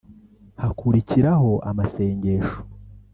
hakurikiraho amasengesho